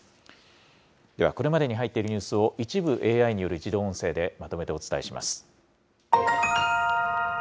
では、これまでに入っているニュースを、一部ＡＩによる自動音声でまとめてお伝えします。